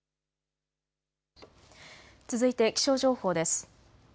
続いて気象情報です。